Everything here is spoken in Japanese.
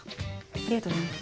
ありがとうございます。